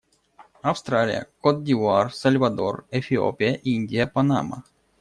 Австралия, Кот-д'Ивуар, Сальвадор, Эфиопия, Индия, Панама.